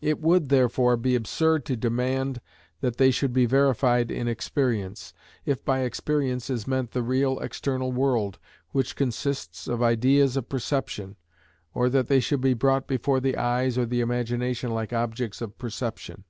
It would, therefore, be absurd to demand that they should be verified in experience, if by experience is meant the real external world, which consists of ideas of perception, or that they should be brought before the eyes or the imagination like objects of perception.